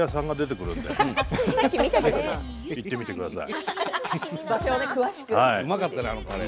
行ってみてください。